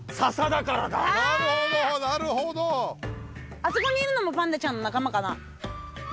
あそこにいるのもパンダちゃんの仲間かな？